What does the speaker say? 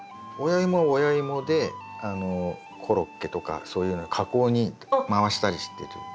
親イモは親イモでコロッケとかそういうような加工に回したりしてるんですね。